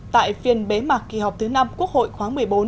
tại phiên bế mạc kỳ họp thứ năm quốc hội khóa một mươi bốn